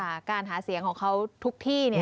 การหาเสียงของเขาทุกที่